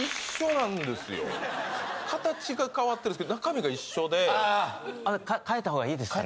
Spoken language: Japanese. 形が変わってるんですけど中身が一緒で変えた方がいいですかね？